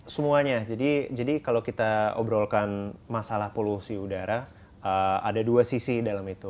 semuanya jadi kalau kita obrolkan masalah polusi udara ada dua sisi dalam itu